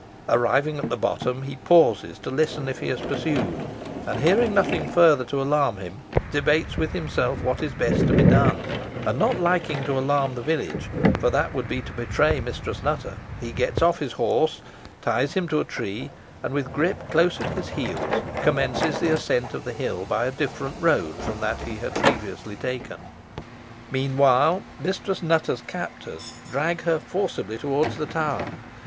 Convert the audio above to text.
Arrived at the bottom, he pauses to listen if he is pursued, and hearing nothing further to alarm him, debates with himself what is best to be done; and, not liking to alarm the village, for that would be to betray Mistress Nutter, he gets off his horse, ties him to a tree, and with Grip close at his heels, commences the ascent of the hill by a different road from that he had previously taken. Meanwhile, Mistress Nutter's captors dragged her forcibly towards the tower.